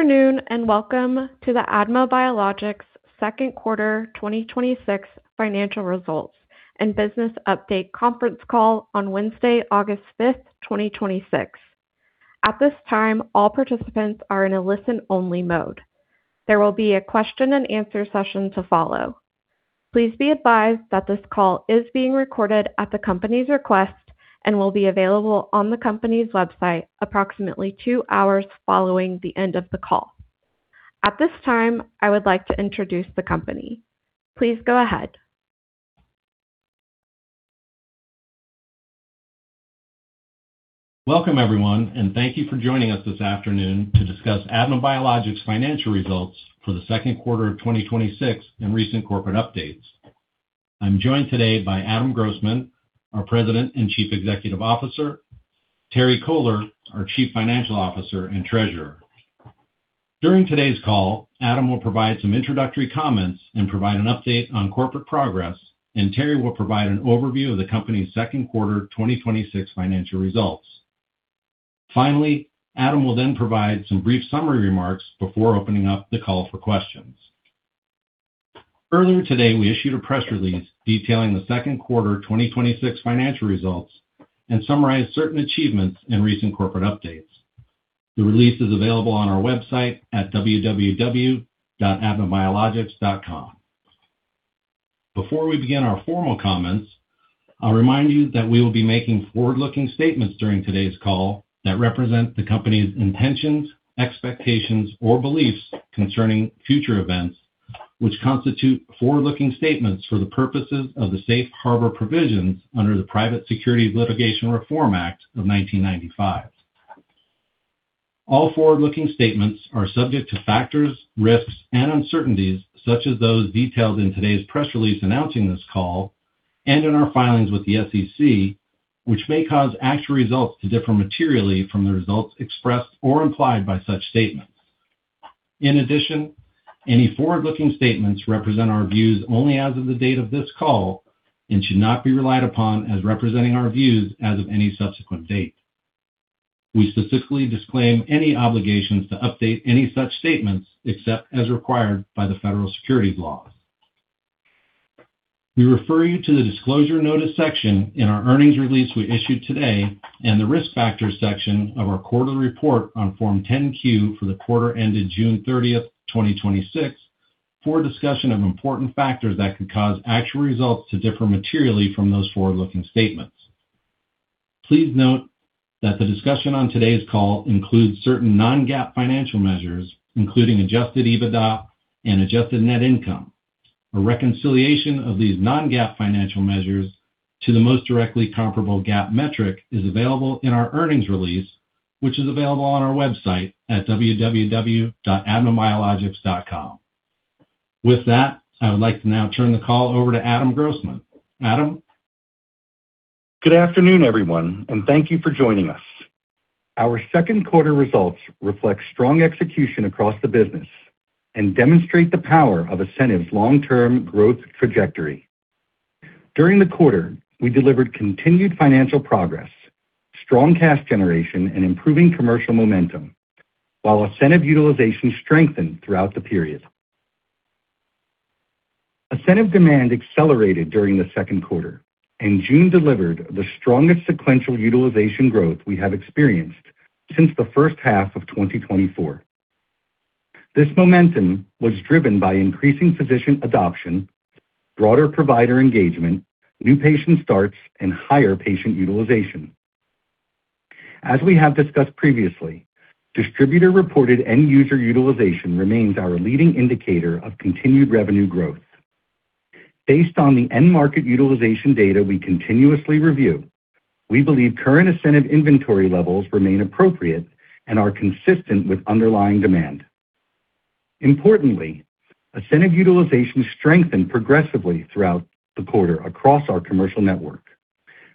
Afternoon. Welcome to the ADMA Biologics second quarter 2026 financial results and business update conference call on Wednesday, August 5th, 2026. At this time, all participants are in a listen-only mode. There will be a question and answer session to follow. Please be advised that this call is being recorded at the company's request and will be available on the company's website approximately 2 hours following the end of the call. At this time, I would like to introduce the company. Please go ahead. Welcome, everyone. Thank you for joining us this afternoon to discuss ADMA Biologics' financial results for the second quarter of 2026 and recent corporate updates. I am joined today by Adam Grossman, our President and Chief Executive Officer, Terry Kohler, our Chief Financial Officer and Treasurer. During today's call, Adam will provide some introductory comments and provide an update on corporate progress. Terry will provide an overview of the company's second quarter 2026 financial results. Adam will provide some brief summary remarks before opening up the call for questions. Earlier today, we issued a press release detailing the second quarter 2026 financial results and summarized certain achievements and recent corporate updates. The release is available on our website at www.admabiologics.com. Before we begin our formal comments, I will remind you that we will be making forward-looking statements during today's call that represent the company's intentions, expectations, or beliefs concerning future events, which constitute forward-looking statements for the purposes of the safe harbor provisions under the Private Securities Litigation Reform Act of 1995. All forward-looking statements are subject to factors, risks, and uncertainties, such as those detailed in today's press release announcing this call, and in our filings with the SEC, which may cause actual results to differ materially from the results expressed or implied by such statements. Any forward-looking statements represent our views only as of the date of this call and should not be relied upon as representing our views as of any subsequent date. We specifically disclaim any obligations to update any such statements except as required by the federal securities laws. We refer you to the Disclosure Notice section in our earnings release we issued today and the Risk Factors section of our quarter report on Form 10-Q for the quarter ended June 30th, 2026, for a discussion of important factors that could cause actual results to differ materially from those forward-looking statements. Please note that the discussion on today's call includes certain non-GAAP financial measures, including adjusted EBITDA and adjusted net income. A reconciliation of these non-GAAP financial measures to the most directly comparable GAAP metric is available in our earnings release, which is available on our website at www.admabiologics.com. I would like to now turn the call over to Adam Grossman. Adam? Good afternoon, everyone, and thank you for joining us. Our second quarter results reflect strong execution across the business and demonstrate the power of ASCENIV's long-term growth trajectory. During the quarter, we delivered continued financial progress, strong cash generation, and improving commercial momentum, while ASCENIV utilization strengthened throughout the period. ASCENIV demand accelerated during the second quarter, and June delivered the strongest sequential utilization growth we have experienced since the first half of 2024. This momentum was driven by increasing physician adoption, broader provider engagement, new patient starts, and higher patient utilization. As we have discussed previously, distributor-reported end-user utilization remains our leading indicator of continued revenue growth. Based on the end market utilization data we continuously review, we believe current ASCENIV inventory levels remain appropriate and are consistent with underlying demand. Importantly, ASCENIV utilization strengthened progressively throughout the quarter across our commercial network,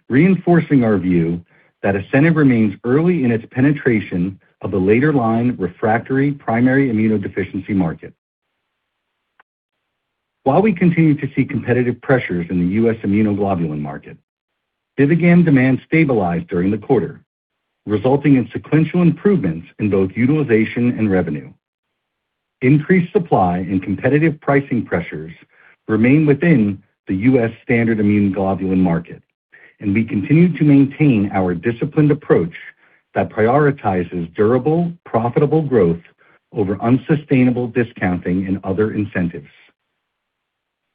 reinforcing our view that ASCENIV remains early in its penetration of the later-line refractory primary immunodeficiency market. While we continue to see competitive pressures in the U.S. immunoglobulin market, BIVIGAM demand stabilized during the quarter, resulting in sequential improvements in both utilization and revenue. Increased supply and competitive pricing pressures remain within the U.S. standard immunoglobulin market. We continue to maintain our disciplined approach that prioritizes durable, profitable growth over unsustainable discounting and other incentives.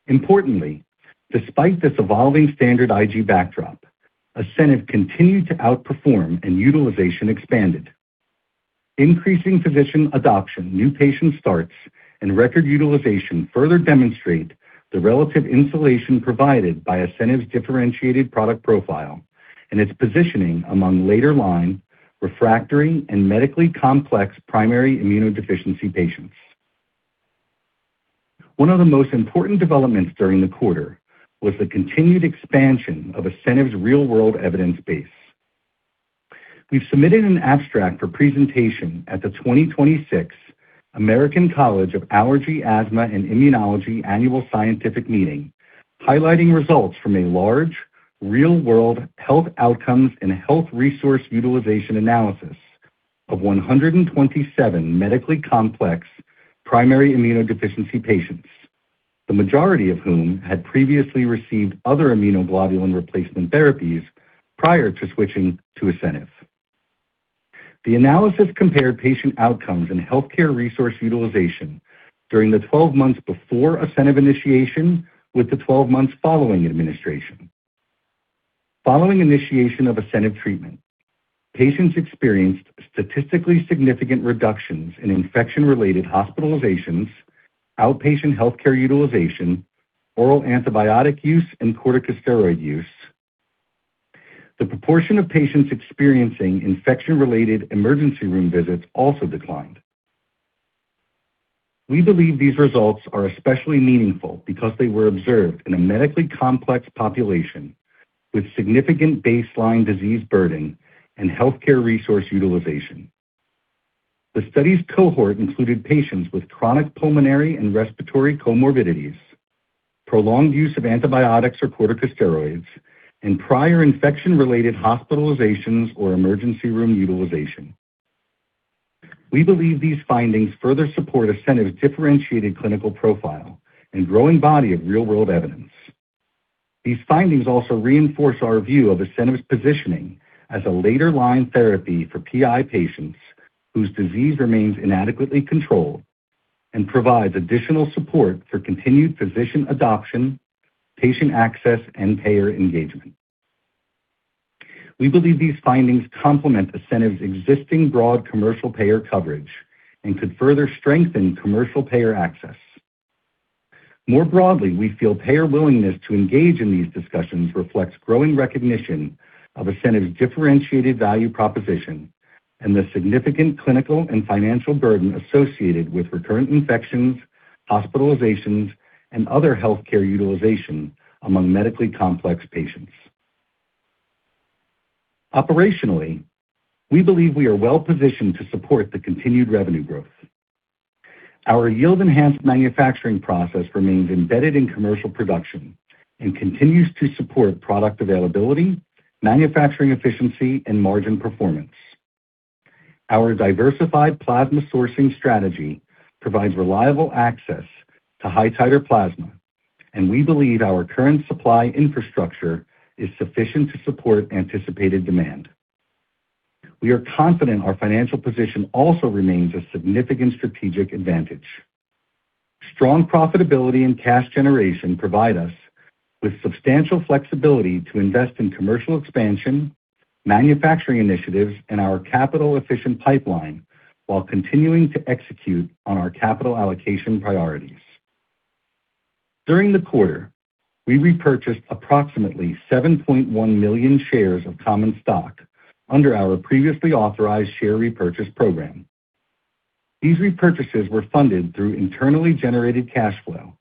Importantly, despite this evolving standard IG backdrop, ASCENIV continued to outperform and utilization expanded. Increasing physician adoption, new patient starts, and record utilization further demonstrate the relative insulation provided by ASCENIV's differentiated product profile and its positioning among later line, refractory, and medically complex primary immunodeficiency patients. One of the most important developments during the quarter was the continued expansion of ASCENIV's real-world evidence base. We've submitted an abstract for presentation at the 2026 American College of Allergy, Asthma and Immunology annual scientific meeting, highlighting results from a Real-world health outcomes and health resource utilization analysis of 127 medically complex primary immunodeficiency patients, the majority of whom had previously received other immunoglobulin replacement therapies prior to switching to ASCENIV. The analysis compared patient outcomes and healthcare resource utilization during the 12 months before ASCENIV initiation with the 12 months following administration. Following initiation of ASCENIV treatment, patients experienced statistically significant reductions in infection-related hospitalizations, outpatient healthcare utilization, oral antibiotic use, and corticosteroid use. The proportion of patients experiencing infection-related emergency room visits also declined. We believe these results are especially meaningful because they were observed in a medically complex population with significant baseline disease burden and healthcare resource utilization. The study's cohort included patients with chronic pulmonary and respiratory comorbidities, prolonged use of antibiotics or corticosteroids, and prior infection-related hospitalizations or emergency room utilization. We believe these findings further support ASCENIV's differentiated clinical profile and growing body of real-world evidence. These findings also reinforce our view of ASCENIV's positioning as a later line therapy for PI patients whose disease remains inadequately controlled and provides additional support for continued physician adoption, patient access, and payer engagement. We believe these findings complement ASCENIV's existing broad commercial payer coverage and could further strengthen commercial payer access. More broadly, we feel payer willingness to engage in these discussions reflects growing recognition of ASCENIV's differentiated value proposition and the significant clinical and financial burden associated with recurrent infections, hospitalizations, and other healthcare utilization among medically complex patients. Operationally, we believe we are well-positioned to support the continued revenue growth. Our yield-enhanced manufacturing process remains embedded in commercial production and continues to support product availability, manufacturing efficiency, and margin performance. Our diversified plasma sourcing strategy provides reliable access to high-titer plasma, and we believe our current supply infrastructure is sufficient to support anticipated demand. We are confident our financial position also remains a significant strategic advantage. Strong profitability and cash generation provide us with substantial flexibility to invest in commercial expansion, manufacturing initiatives, and our capital-efficient pipeline while continuing to execute on our capital allocation priorities. During the quarter, we repurchased approximately 7.1 million shares of common stock under our previously authorized share repurchase program. These repurchases were funded through internally generated cash flow.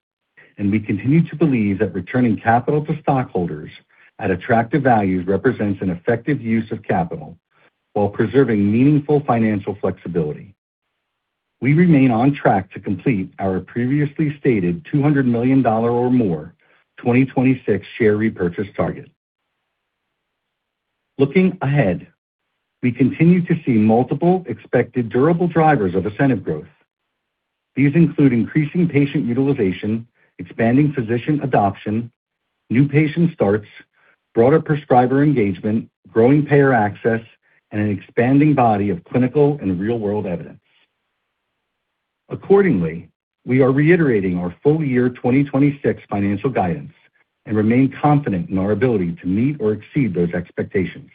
We continue to believe that returning capital to stockholders at attractive value represents an effective use of capital while preserving meaningful financial flexibility. We remain on track to complete our previously stated $200 million or more 2026 share repurchase target. Looking ahead, we continue to see multiple expected durable drivers of ASCENIV growth. These include increasing patient utilization, expanding physician adoption, new patient starts, broader prescriber engagement, growing payer access, and an expanding body of clinical and real-world evidence. Accordingly, we are reiterating our full year 2026 financial guidance and remain confident in our ability to meet or exceed those expectations.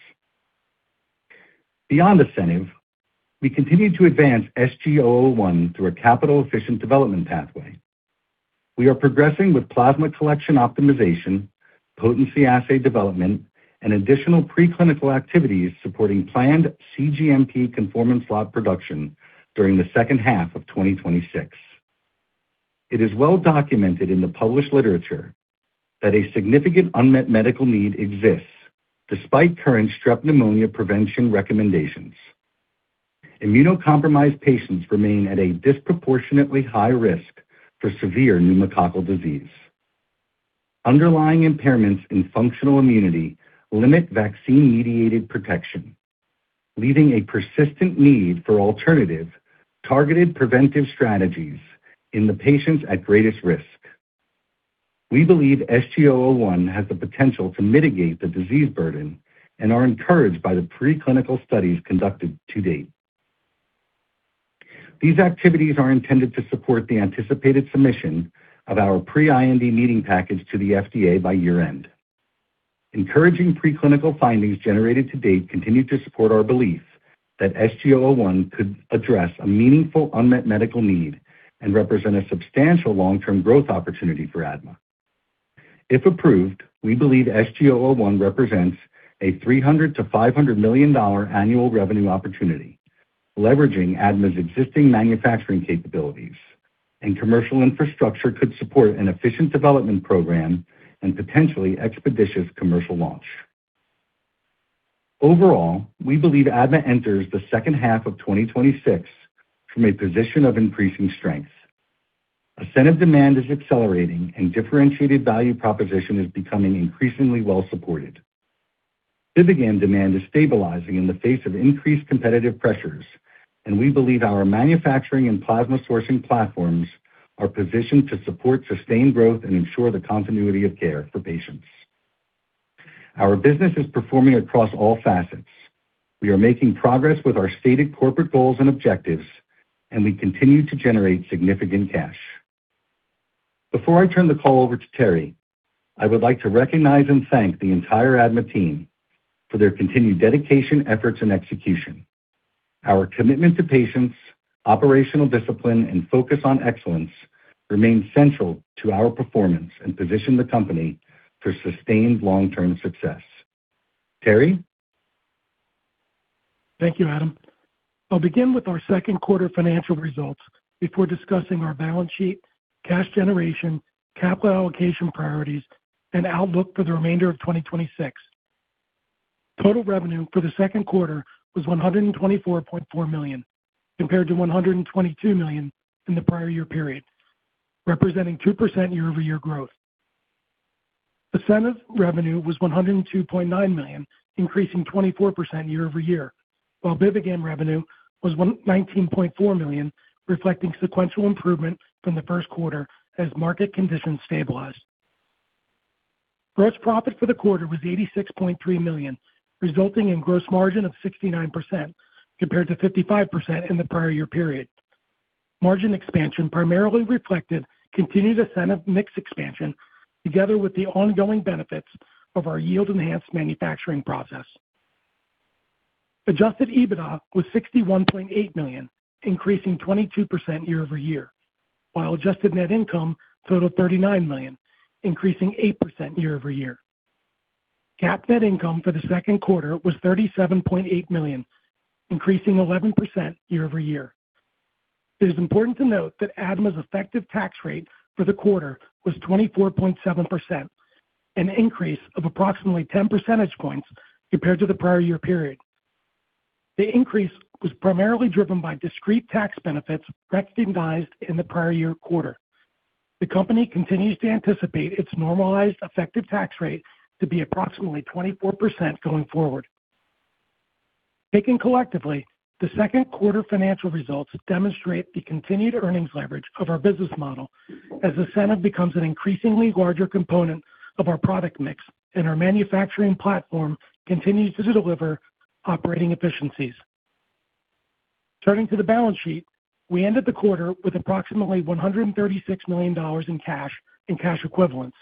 Beyond ASCENIV, we continue to advance SG-001 through a capital-efficient development pathway. We are progressing with plasma collection optimization, potency assay development, and additional preclinical activities supporting planned cGMP conformance lot production during the second half of 2026. It is well documented in the published literature that a significant unmet medical need exists despite current S. pneumonia prevention recommendations. Immunocompromised patients remain at a disproportionately high risk for severe pneumococcal disease. Underlying impairments in functional immunity limit vaccine-mediated protection, leaving a persistent need for alternative targeted preventive strategies in the patients at greatest risk. We believe SG-001 has the potential to mitigate the disease burden and are encouraged by the preclinical studies conducted to date. These activities are intended to support the anticipated submission of our pre-IND meeting package to the FDA by year-end. Encouraging preclinical findings generated to date continue to support our belief that SG-001 could address a meaningful unmet medical need and represent a substantial long-term growth opportunity for ADMA. If approved, we believe SG-001 represents a $300 million-$500 million annual revenue opportunity. Leveraging ADMA's existing manufacturing capabilities and commercial infrastructure could support an efficient development program and potentially expeditious commercial launch. We believe ADMA enters the second half of 2026 from a position of increasing strength. ASCENIV demand is accelerating. Differentiated value proposition is becoming increasingly well supported. BIVIGAM demand is stabilizing in the face of increased competitive pressures. We believe our manufacturing and plasma sourcing platforms are positioned to support sustained growth and ensure the continuity of care for patients. Our business is performing across all facets. We are making progress with our stated corporate goals and objectives. We continue to generate significant cash. Before I turn the call over to Terry, I would like to recognize and thank the entire ADMA team for their continued dedication, efforts, and execution. Our commitment to patients, operational discipline, and focus on excellence remain central to our performance and position the company for sustained long-term success. Terry? Thank you, Adam. I'll begin with our second quarter financial results before discussing our balance sheet, cash generation, capital allocation priorities, and outlook for the remainder of 2026. Total revenue for the second quarter was $124.4 million, compared to $122 million in the prior year period, representing 2% year-over-year growth. ASCENIV revenue was $102.9 million, increasing 24% year-over-year, while BIVIGAM revenue was $19.4 million, reflecting sequential improvement from the first quarter as market conditions stabilized. Gross profit for the quarter was $86.3 million, resulting in gross margin of 69%, compared to 55% in the prior year period. Margin expansion primarily reflected continued ASCENIV mix expansion together with the ongoing benefits of our yield enhanced manufacturing process. Adjusted EBITDA was $61.8 million, increasing 22% year-over-year. Adjusted net income totaled $39 million, increasing 8% year-over-year. GAAP net income for the second quarter was $37.8 million, increasing 11% year-over-year. It is important to note that ADMA's effective tax rate for the quarter was 24.7%, an increase of approximately 10 percentage points compared to the prior year period. The increase was primarily driven by discrete tax benefits recognized in the prior year quarter. The company continues to anticipate its normalized effective tax rate to be approximately 24% going forward. Taken collectively, the second quarter financial results demonstrate the continued earnings leverage of our business model as ASCENIV becomes an increasingly larger component of our product mix, and our manufacturing platform continues to deliver operating efficiencies. Turning to the balance sheet. We ended the quarter with approximately $136 million in cash and cash equivalents.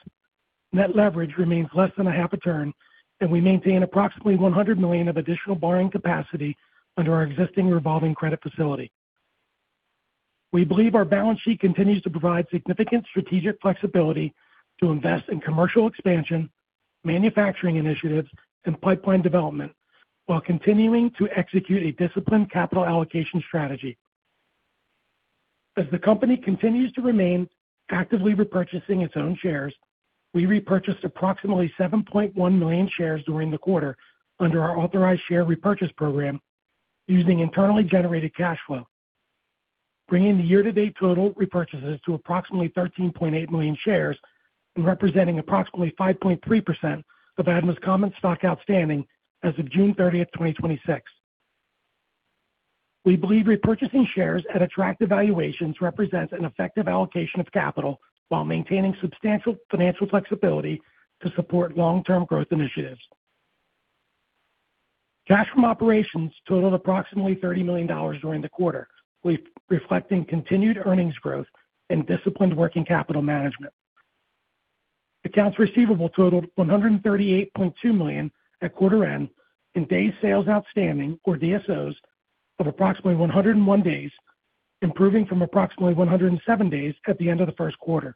Net leverage remains less than a half a turn, and we maintain approximately $100 million of additional borrowing capacity under our existing revolving credit facility. We believe our balance sheet continues to provide significant strategic flexibility to invest in commercial expansion, manufacturing initiatives, and pipeline development while continuing to execute a disciplined capital allocation strategy. As the company continues to remain actively repurchasing its own shares, we repurchased approximately 7.1 million shares during the quarter under our authorized share repurchase program using internally generated cash flow, bringing the year-to-date total repurchases to approximately 13.8 million shares and representing approximately 5.3% of ADMA's common stock outstanding as of June 30th, 2026. We believe repurchasing shares at attractive valuations represents an effective allocation of capital while maintaining substantial financial flexibility to support long-term growth initiatives. Cash from operations totaled approximately $30 million during the quarter, reflecting continued earnings growth and disciplined working capital management. Accounts receivable totaled $138.2 million at quarter end and days sales outstanding, or DSOs, of approximately 101 days, improving from approximately 107 days at the end of the first quarter.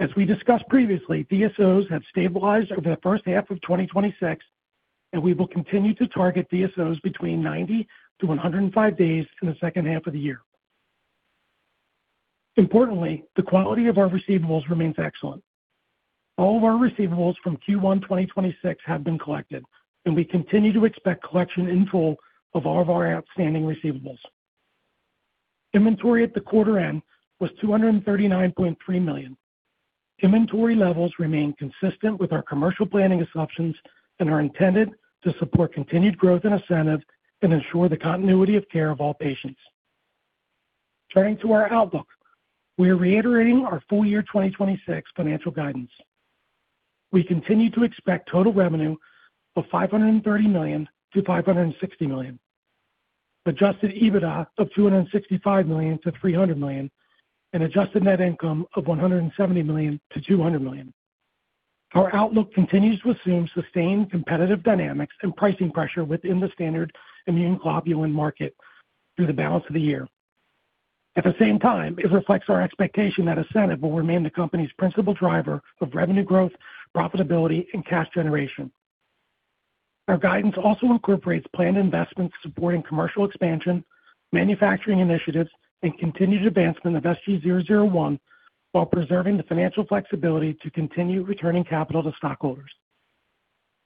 As we discussed previously, DSOs have stabilized over the first half of 2026, and we will continue to target DSOs between 90 to 105 days in the second half of the year. Importantly, the quality of our receivables remains excellent. All of our receivables from Q1 2026 have been collected, and we continue to expect collection in full of all of our outstanding receivables. Inventory at the quarter end was $239.3 million. Inventory levels remain consistent with our commercial planning assumptions and are intended to support continued growth in ASCENIV and ensure the continuity of care of all patients. Turning to our outlook. We are reiterating our full year 2026 financial guidance. We continue to expect total revenue of $530 million-$560 million, adjusted EBITDA of $265 million-$300 million, and adjusted net income of $170 million-$200 million. Our outlook continues to assume sustained competitive dynamics and pricing pressure within the standard immune globulin market through the balance of the year. At the same time, it reflects our expectation that ASCENIV will remain the company's principal driver of revenue growth, profitability, and cash generation. Our guidance also incorporates planned investments supporting commercial expansion manufacturing initiatives, and continued advancement of SG-001, while preserving the financial flexibility to continue returning capital to stockholders.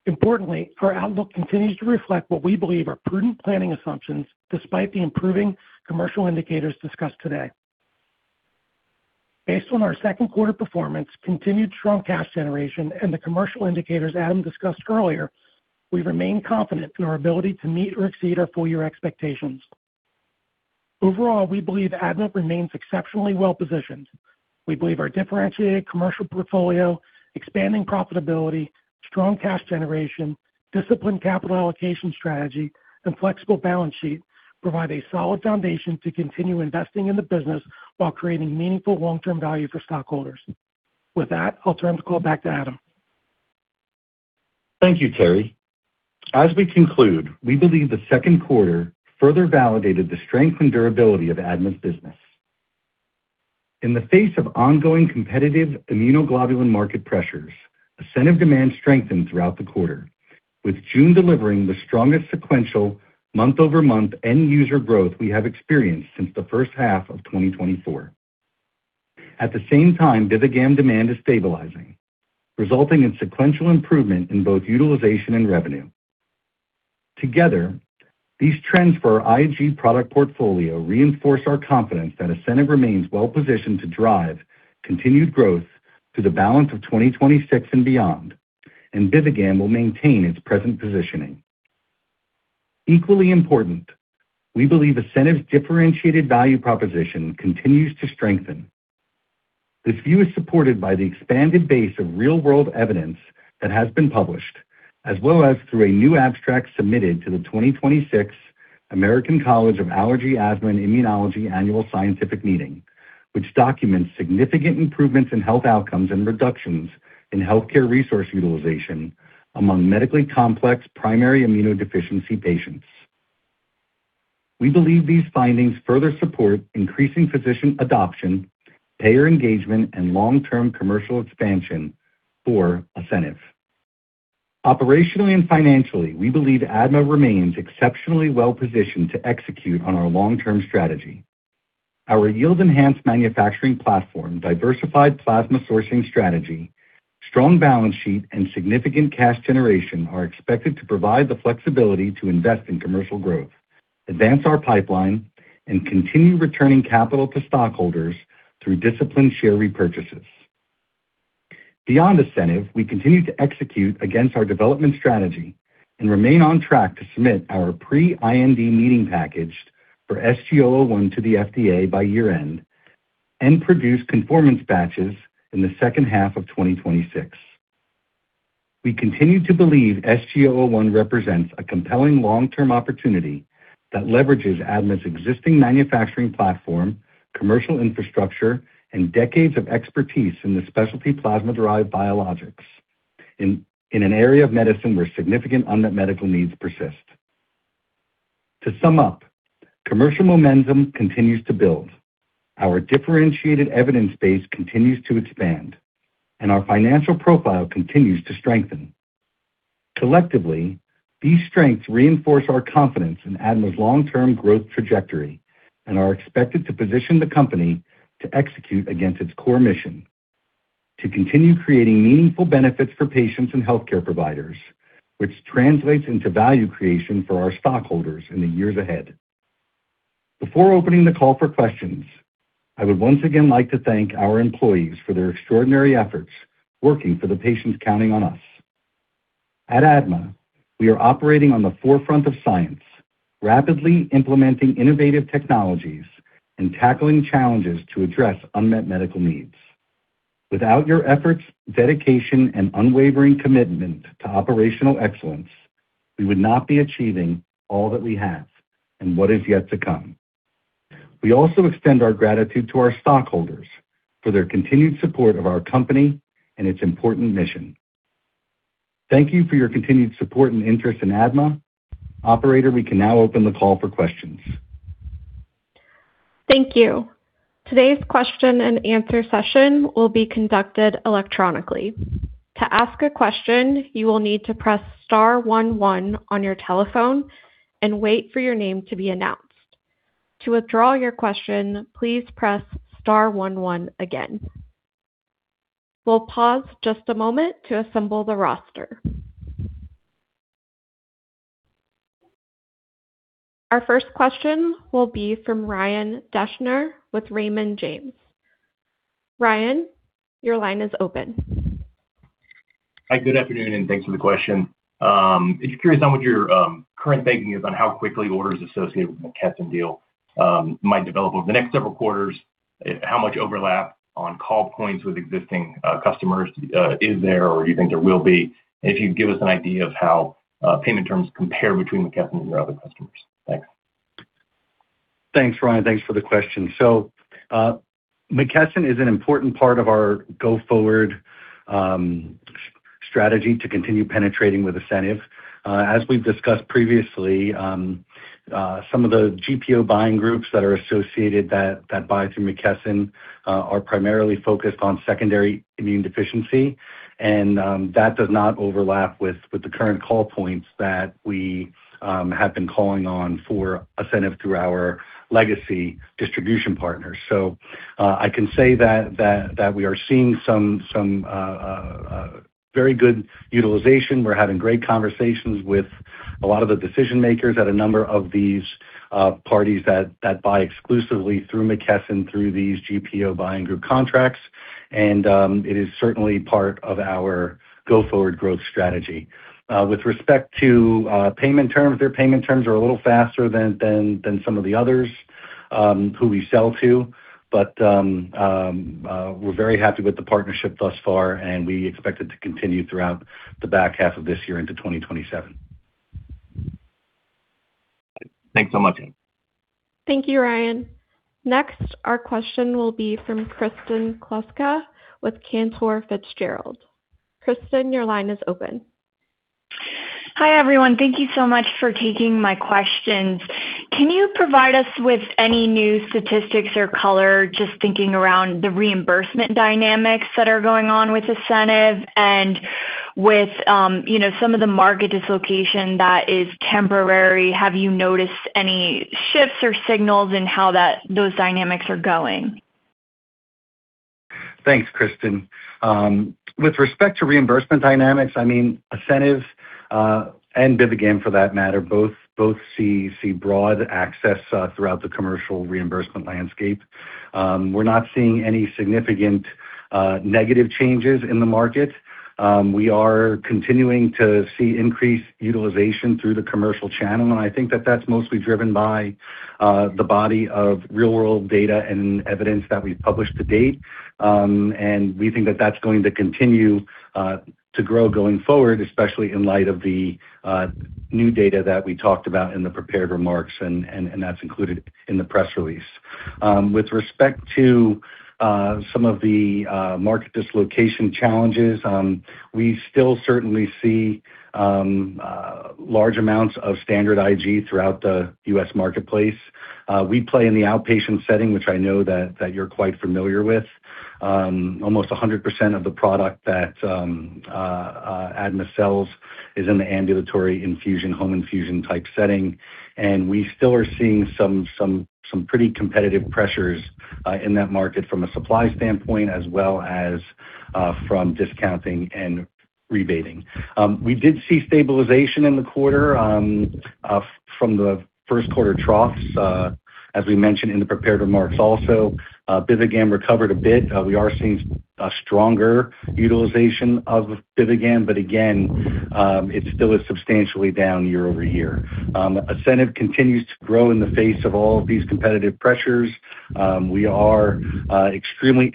Importantly, our outlook continues to reflect what we believe are prudent planning assumptions, despite the improving commercial indicators discussed today. Based on our second quarter performance, continued strong cash generation, and the commercial indicators Adam discussed earlier, we remain confident in our ability to meet or exceed our full-year expectations. Overall, we believe ADMA remains exceptionally well-positioned. We believe our differentiated commercial portfolio, expanding profitability, strong cash generation, disciplined capital allocation strategy, and flexible balance sheet provide a solid foundation to continue investing in the business while creating meaningful long-term value for stockholders. With that, I'll turn the call back to Adam. Thank you, Terry. As we conclude, we believe the second quarter further validated the strength and durability of ADMA's business. In the face of ongoing competitive immunoglobulin market pressures, ASCENIV demand strengthened throughout the quarter, with June delivering the strongest sequential month-over-month end-user growth we have experienced since the first half of 2024. At the same time, BIVIGAM demand is stabilizing, resulting in sequential improvement in both utilization and revenue. Together, these trends for our IG product portfolio reinforce our confidence that ASCENIV remains well-positioned to drive continued growth through the balance of 2026 and beyond, and BIVIGAM will maintain its present positioning. Equally important, we believe ASCENIV's differentiated value proposition continues to strengthen. This view is supported by the expanded base of real-world evidence that has been published, as well as through a new abstract submitted to the 2026 American College of Allergy, Asthma and Immunology annual scientific meeting, which documents significant improvements in health outcomes and reductions in healthcare resource utilization among medically complex primary immunodeficiency patients. We believe these findings further support increasing physician adoption, payer engagement, and long-term commercial expansion for ASCENIV. Operationally and financially, we believe ADMA remains exceptionally well-positioned to execute on our long-term strategy. Our yield-enhanced manufacturing platform, diversified plasma sourcing strategy, strong balance sheet, and significant cash generation are expected to provide the flexibility to invest in commercial growth, advance our pipeline, and continue returning capital to stockholders through disciplined share repurchases. Beyond ASCENIV, we continue to execute against our development strategy and remain on track to submit our pre-IND meeting package for SG-001 to the FDA by year-end and produce conformance batches in the second half of 2026. We continue to believe SG-001 represents a compelling long-term opportunity that leverages ADMA's existing manufacturing platform, commercial infrastructure, and decades of expertise in the specialty plasma-derived biologics in an area of medicine where significant unmet medical needs persist. Commercial momentum continues to build. Our differentiated evidence base continues to expand, our financial profile continues to strengthen. Collectively, these strengths reinforce our confidence in ADMA's long-term growth trajectory and are expected to position the company to execute against its core mission to continue creating meaningful benefits for patients and healthcare providers, which translates into value creation for our stockholders in the years ahead. Before opening the call for questions, I would once again like to thank our employees for their extraordinary efforts working for the patients counting on us. At ADMA, we are operating on the forefront of science, rapidly implementing innovative technologies and tackling challenges to address unmet medical needs. Without your efforts, dedication, and unwavering commitment to operational excellence, we would not be achieving all that we have and what is yet to come. We also extend our gratitude to our stockholders for their continued support of our company and its important mission. Thank you for your continued support and interest in ADMA. Operator, we can now open the call for questions. Thank you. Today's question and answer session will be conducted electronically. To ask a question, you will need to press star one one on your telephone and wait for your name to be announced. To withdraw your question, please press star one one again. We'll pause just a moment to assemble the roster. Our first question will be from Ryan Deschner with Raymond James. Ryan, your line is open. Hi, good afternoon, and thanks for the question. Just curious on what your current thinking is on how quickly orders associated with the McKesson deal might develop over the next several quarters, how much overlap on call points with existing customers is there, or you think there will be, and if you can give us an idea of how payment terms compare between McKesson and your other customers. Thanks. Thanks, Ryan. Thanks for the question. McKesson is an important part of our go-forward Strategy to continue penetrating with ASCENIV. As we've discussed previously, some of the GPO buying groups that are associated that buy through McKesson, are primarily focused on secondary immune deficiency, and that does not overlap with the current call points that we have been calling on for ASCENIV through our legacy distribution partners. I can say that we are seeing some very good utilization. We're having great conversations with a lot of the decision-makers at a number of these parties that buy exclusively through McKesson, through these GPO buying group contracts. It is certainly part of our go-forward growth strategy. With respect to payment terms, their payment terms are a little faster than some of the others who we sell to. We're very happy with the partnership thus far, and we expect it to continue throughout the back half of this year into 2027. Thanks so much. Thank you, Ryan. Next, our question will be from Kristen Kluska with Cantor Fitzgerald. Kristen, your line is open. Hi, everyone. Thank you so much for taking my questions. Can you provide us with any new statistics or color, just thinking around the reimbursement dynamics that are going on with ASCENIV and with some of the market dislocation that is temporary? Have you noticed any shifts or signals in how those dynamics are going? Thanks, Kristen. With respect to reimbursement dynamics, ASCENIV, and BIVIGAM for that matter, both see broad access throughout the commercial reimbursement landscape. We're not seeing any significant negative changes in the market. We are continuing to see increased utilization through the commercial channel. I think that that's mostly driven by the body of real-world data and evidence that we've published to date. We think that that's going to continue to grow going forward, especially in light of the new data that we talked about in the prepared remarks, and that's included in the press release. With respect to some of the market dislocation challenges, we still certainly see large amounts of standard IG throughout the U.S. marketplace. We play in the outpatient setting, which I know that you're quite familiar with. Almost 100% of the product that ADMA sells is in the ambulatory infusion, home infusion type setting. We still are seeing some pretty competitive pressures in that market from a supply standpoint, as well as from discounting and rebating. We did see stabilization in the quarter from the first quarter troughs, as we mentioned in the prepared remarks also. BIVIGAM recovered a bit. We are seeing a stronger utilization of BIVIGAM. Again, it still is substantially down year-over-year. ASCENIV continues to grow in the face of all of these competitive pressures. We are extremely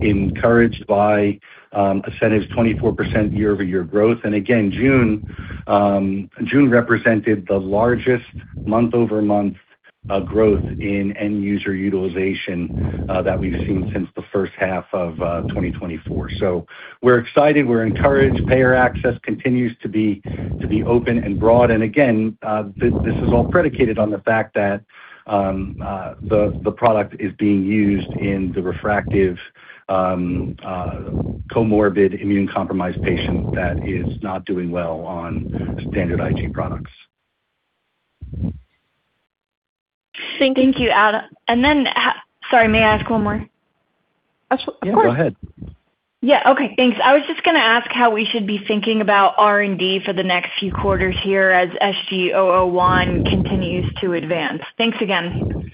encouraged by ASCENIV's 24% year-over-year growth. Again, June represented the largest month-over-month growth in end user utilization that we've seen since the first half of 2024. We're excited, we're encouraged. Payer access continues to be open and broad. Again, this is all predicated on the fact that the product is being used in the refractive, comorbid, immune-compromised patient that is not doing well on standard IG products. Thank you, Adam. Then, sorry, may I ask one more? Of course. Yeah, go ahead. Yeah. Okay, thanks. I was just going to ask how we should be thinking about R&D for the next few quarters here as SG-001 continues to advance. Thanks again.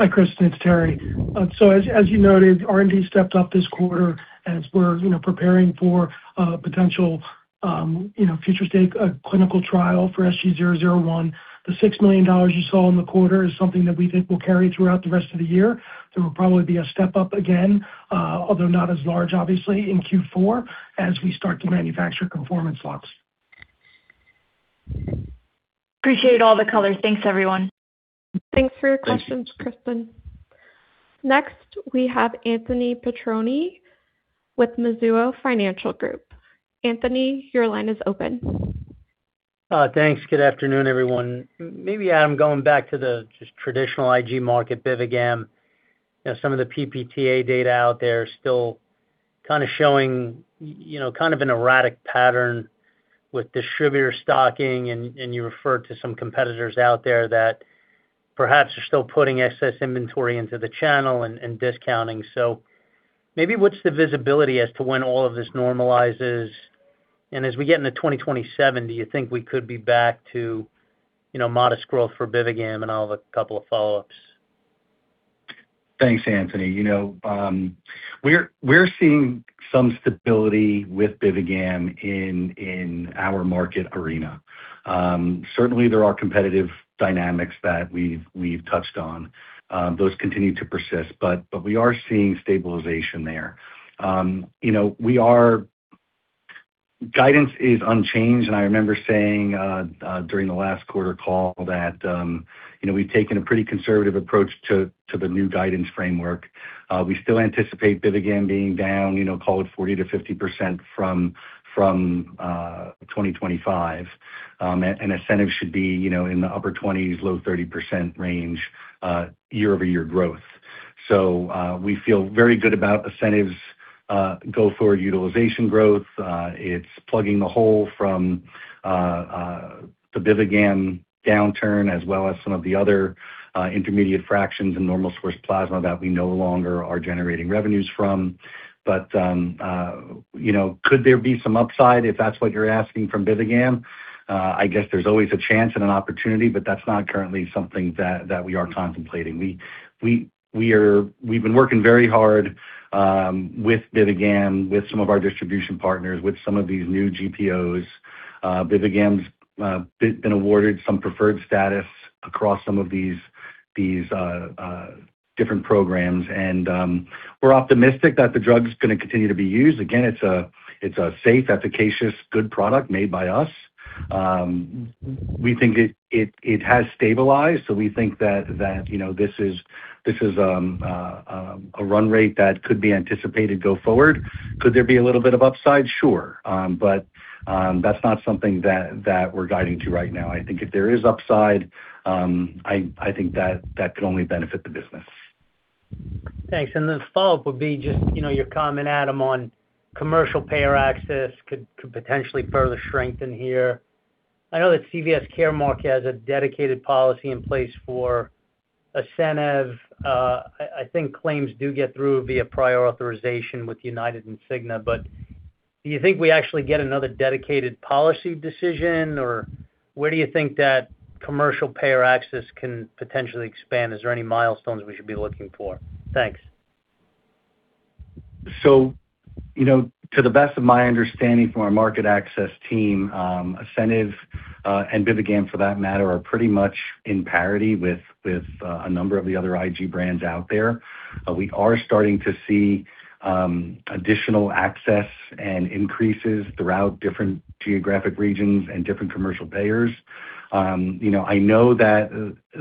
Hi, Kristen, it's Terry. As you noted, R&D stepped up this quarter as we're preparing for a potential future state clinical trial for SG-001. The $6 million you saw in the quarter is something that we think will carry throughout the rest of the year. There will probably be a step-up again, although not as large, obviously, in Q4 as we start to manufacture conformance lots. Appreciate all the color. Thanks, everyone. Thanks for your questions, Kristen. Next, we have Anthony Petrone with Mizuho Financial Group. Anthony, your line is open. Thanks. Good afternoon, everyone. Adam, going back to the just traditional IG market, BIVIGAM. Some of the PPTA data out there are still showing kind of an erratic pattern with distributor stocking, and you referred to some competitors out there that perhaps are still putting excess inventory into the channel and discounting. What's the visibility as to when all of this normalizes? And as we get into 2027, do you think we could be back to modest growth for BIVIGAM and all the couple of follow-ups? Thanks, Anthony. We're seeing some stability with BIVIGAM in our market arena. Certainly there are competitive dynamics that we've touched on. Those continue to persist, but we are seeing stabilization there. Guidance is unchanged, and I remember saying during the last quarter call that we've taken a pretty conservative approach to the new guidance framework. We still anticipate BIVIGAM being down, call it 40%-50% from 2025. ASCENIV should be in the upper 20s, low 30% range year-over-year growth. We feel very good about ASCENIV's go-forward utilization growth. It's plugging the hole from the BIVIGAM downturn, as well as some of the other intermediate fractions in normal source plasma that we no longer are generating revenues from. Could there be some upside, if that's what you're asking, from BIVIGAM? I guess there's always a chance and an opportunity, but that's not currently something that we are contemplating. We've been working very hard with BIVIGAM, with some of our distribution partners, with some of these new GPOs. BIVIGAM's been awarded some preferred status across some of these different programs, and we're optimistic that the drug's going to continue to be used. Again, it's a safe, efficacious, good product made by us. We think it has stabilized, we think that this is a run rate that could be anticipated go forward. Could there be a little bit of upside? Sure. That's not something that we're guiding to right now. I think if there is upside, I think that could only benefit the business. Thanks. The follow-up would be just your comment, Adam, on commercial payer access could potentially further strengthen here. I know that CVS Caremark has a dedicated policy in place for ASCENIV. I think claims do get through via prior authorization with United and Cigna, do you think we actually get another dedicated policy decision, or where do you think that commercial payer access can potentially expand? Is there any milestones we should be looking for? Thanks. To the best of my understanding from our market access team, ASCENIV, and BIVIGAM for that matter, are pretty much in parity with a number of the other IG brands out there. We are starting to see additional access and increases throughout different geographic regions and different commercial payers. I know that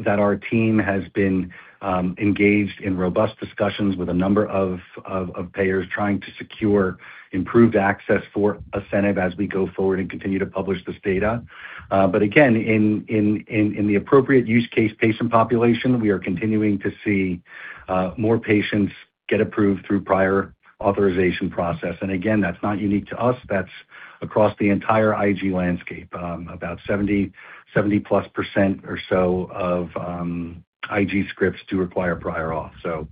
our team has been engaged in robust discussions with a number of payers trying to secure improved access for ASCENIV as we go forward and continue to publish this data. Again, in the appropriate use case patient population, we are continuing to see more patients get approved through prior authorization process. Again, that's not unique to us. That's across the entire IG landscape. About 70+% or so of IG scripts do require prior auth.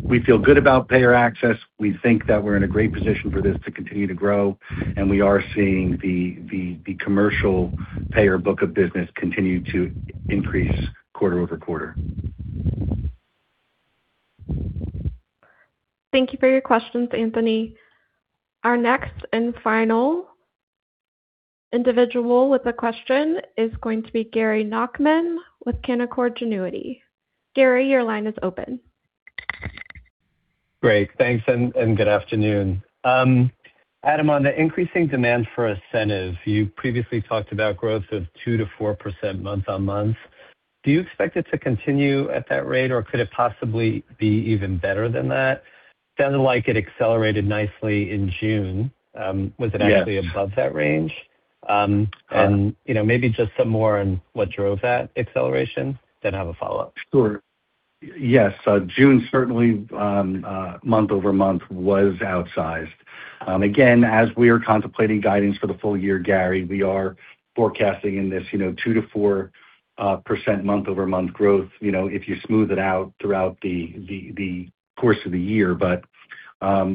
We feel good about payer access. We think that we're in a great position for this to continue to grow, and we are seeing the commercial payer book of business continue to increase quarter-over-quarter. Thank you for your questions, Anthony. Our next and final individual with a question is going to be Gary Nachman with Canaccord Genuity. Gary, your line is open. Great. Thanks, and good afternoon. Adam, on the increasing demand for ASCENIV, you previously talked about growth of 2%-4% month-on-month. Do you expect it to continue at that rate, or could it possibly be even better than that? Sounded like it accelerated nicely in June. Yes. Was it actually above that range? Yeah. Maybe just some more on what drove that acceleration, then I have a follow-up. Sure. Yes. June certainly month-over-month was outsized. As we are contemplating guidance for the full year, Gary, we are forecasting in this 2%-4% month-over-month growth if you smooth it out throughout the course of the year.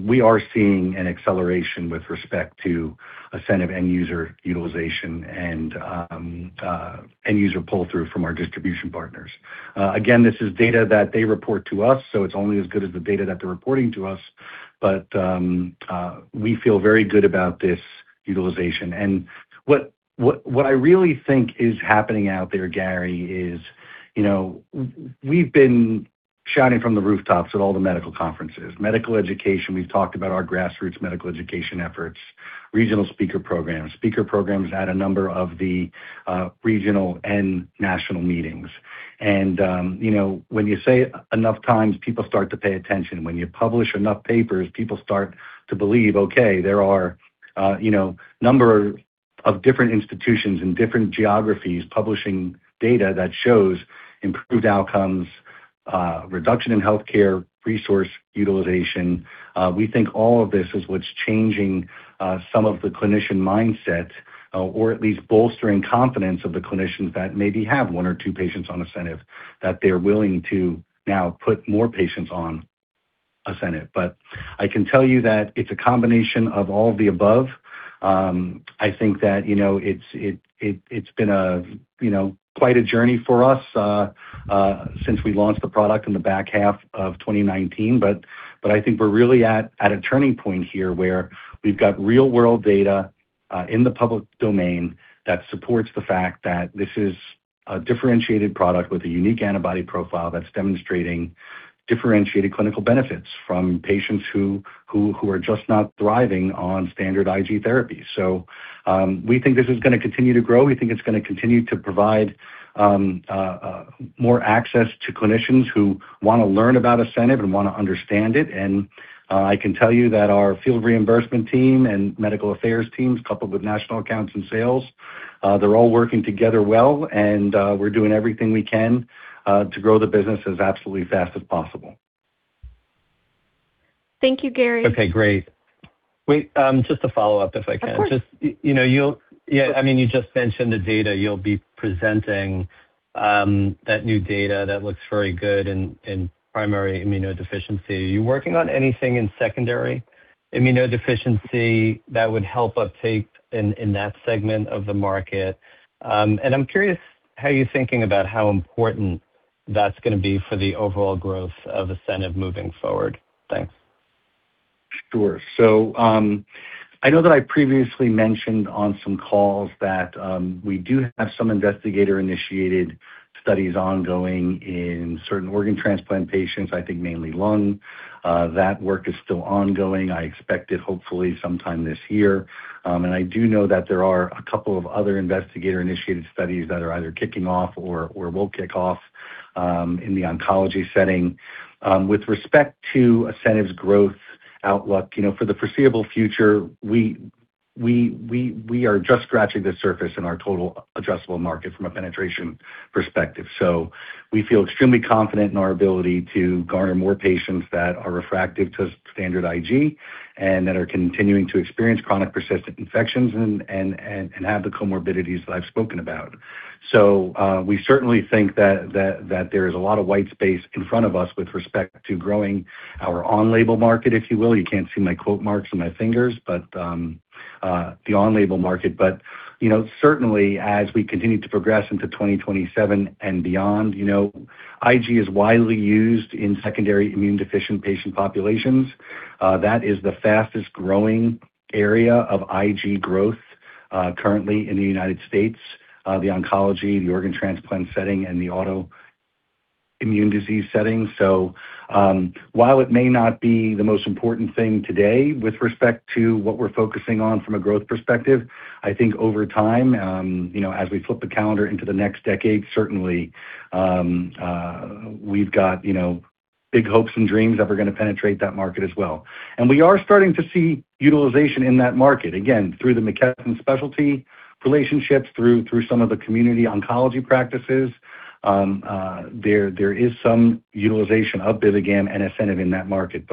We are seeing an acceleration with respect to ASCENIV end user utilization and end user pull-through from our distribution partners. Again, this is data that they report to us, so it's only as good as the data that they're reporting to us. We feel very good about this utilization. What I really think is happening out there, Gary, is we've been shouting from the rooftops at all the medical conferences. Medical education, we've talked about our grassroots medical education efforts, regional speaker programs, speaker programs at a number of the regional and national meetings. When you say it enough times, people start to pay attention. When you publish enough papers, people start to believe, okay, there are a number of different institutions in different geographies publishing data that shows improved outcomes, reduction in healthcare resource utilization. We think all of this is what's changing some of the clinician mindsets, or at least bolstering confidence of the clinicians that maybe have one or two patients on ASCENIV, that they're willing to now put more patients on ASCENIV. I can tell you that it's a combination of all the above. I think that it's been quite a journey for us since we launched the product in the back half of 2019. I think we're really at a turning point here where we've got real-world data in the public domain that supports the fact that this is a differentiated product with a unique antibody profile that's demonstrating differentiated clinical benefits from patients who are just not thriving on standard IG therapy. We think this is going to continue to grow. We think it's going to continue to provide more access to clinicians who want to learn about ASCENIV and want to understand it. I can tell you that our field reimbursement team and medical affairs teams, coupled with national accounts and sales, they're all working together well, and we're doing everything we can to grow the business as absolutely fast as possible. Thank you, Gary. Okay, great. Wait, just a follow-up, if I can. Of course. You just mentioned the data you'll be presenting, that new data that looks very good in primary immunodeficiency. Are you working on anything in secondary immunodeficiency that would help uptake in that segment of the market? I'm curious how you're thinking about how important that's going to be for the overall growth of ASCENIV moving forward. Thanks. Sure. I know that I previously mentioned on some calls that we do have some investigator-initiated studies ongoing in certain organ transplant patients, I think mainly lung. That work is still ongoing. I expect it hopefully sometime this year. I do know that there are a couple of other investigator-initiated studies that are either kicking off or will kick off in the oncology setting. With respect to ASCENIV's growth outlook, for the foreseeable future, we are just scratching the surface in our total addressable market from a penetration perspective. We feel extremely confident in our ability to garner more patients that are refractive to standard IG and that are continuing to experience chronic persistent infections and have the comorbidities that I've spoken about. We certainly think that there is a lot of white space in front of us with respect to growing our on-label market, if you will. You can't see my quote marks or my fingers, but the on-label market. Certainly as we continue to progress into 2027 and beyond, IG is widely used in secondary immune-deficient patient populations. That is the fastest-growing area of IG growth currently in the U.S., the oncology, the organ transplant setting, and the autoimmune disease setting. While it may not be the most important thing today with respect to what we're focusing on from a growth perspective, I think over time, as we flip the calendar into the next decade, certainly, we've got big hopes and dreams that we're going to penetrate that market as well. We are starting to see utilization in that market, again, through the McKesson specialty relationships, through some of the community oncology practices. There is some utilization of BIVIGAM and ASCENIV in that market.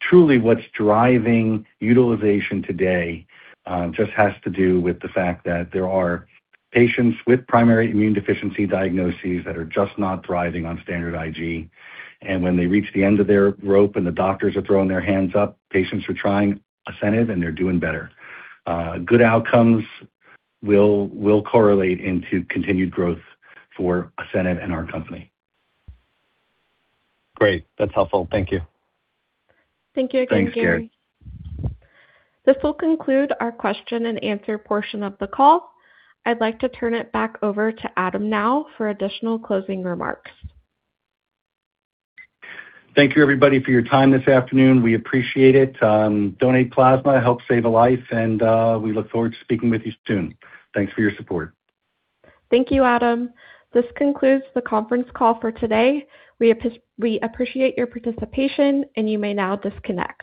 Truly what's driving utilization today just has to do with the fact that there are patients with primary immune deficiency diagnoses that are just not thriving on standard IG, and when they reach the end of their rope and the doctors are throwing their hands up, patients are trying ASCENIV, and they're doing better. Good outcomes will correlate into continued growth for ASCENIV and our company. Great. That's helpful. Thank you. Thank you again, Gary. Thanks, Jared. This will conclude our question-and-answer portion of the call. I'd like to turn it back over to Adam now for additional closing remarks. Thank you, everybody, for your time this afternoon. We appreciate it. Donate plasma, help save a life. We look forward to speaking with you soon. Thanks for your support. Thank you, Adam. This concludes the conference call for today. We appreciate your participation. You may now disconnect.